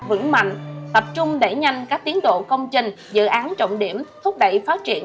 vững mạnh tập trung đẩy nhanh các tiến độ công trình dự án trọng điểm thúc đẩy phát triển